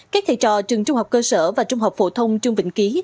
các thầy trò trường trung học cơ sở và trung học phổ thông trương vĩnh ký